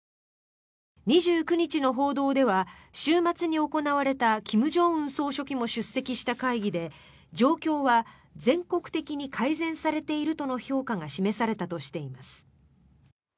２９日の報道では週末に行われた金正恩総書記も出席した会議で状況は全国的に改善されているとの評価が示されたとしています。